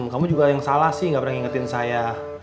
kamu juga yang salah sih ga pernah ngingetin saya